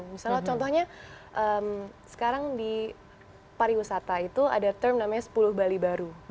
misalnya contohnya sekarang di pariwisata itu ada term namanya sepuluh bali baru